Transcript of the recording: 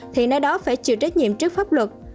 thì nơi đó phải chịu trách nhiệm trước pháp luật